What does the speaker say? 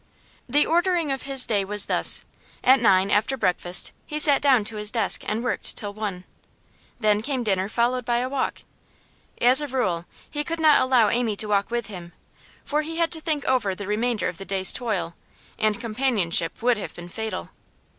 The ordering of his day was thus. At nine, after breakfast, he sat down to his desk, and worked till one. Then came dinner, followed by a walk. As a rule he could not allow Amy to walk with him, for he had to think over the remainder of the day's toil, and companionship would have been fatal.